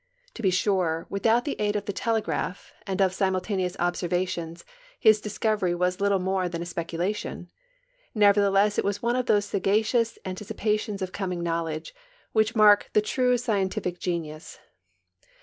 To be sure, without the aid of the telegraph and of simultaneous observations his discovery was little more than a speculation; nevertheless it was one of those sagacious anticipa tions of coming knowledge which mark the true scientific genius.